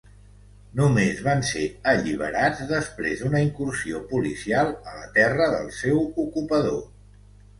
Només van ser alliberats després d'una incursió policial a la terra del seu ocupador.